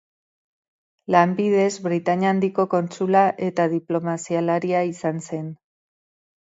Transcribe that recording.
Lanbidez Britainia Handiko kontsula eta diplomazialaria izan zen.